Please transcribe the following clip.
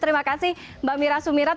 terima kasih mbak mira sumirat